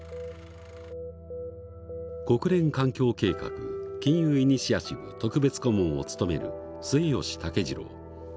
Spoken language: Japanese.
国連環境計画金融イニシアチブ特別顧問を務める末吉竹二郎。